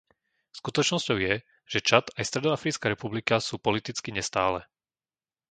Skutočnosťou je, že Čad aj Stredoafrická republika sú politicky nestále.